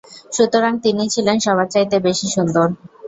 সুতরাং তিনিই ছিলেন সবার চাইতে বেশি সুন্দর।